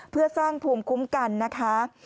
เพื่อสร้างภูมิคุ้มกันนะคะ